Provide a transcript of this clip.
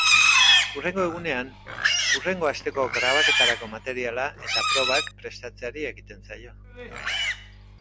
Hurrengo egunean, hurrengo asteko grabaketarako materiala eta probak prestatzeari ekiten zaio.